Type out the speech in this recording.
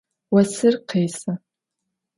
Vosır khêsı.